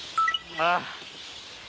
ああ！